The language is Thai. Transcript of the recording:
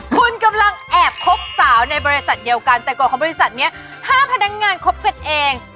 คุณกำลังแอบคบสาวในบริษัทเดียวกันแต่ก่อนของบริษัทนี้ห้ามพนักงานคบกันเอง